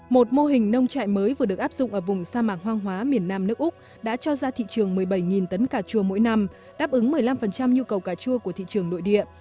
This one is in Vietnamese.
một mô hình nông trại mới vừa được áp dụng ở vùng sa mạc hoang hóa miền nam nước úc đã cho ra thị trường một mươi bảy tấn cà chua mỗi năm đáp ứng một mươi năm nhu cầu cà chua của thị trường nội địa